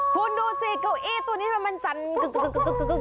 คุณดูสิเก้าอี้ตัวนี้ทำไมมันสั่นกึก